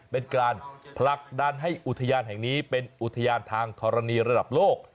เป็นการผลักดันให้อุทยานแห่งนี้เป็นอุทยานทางธรณีระดับโลก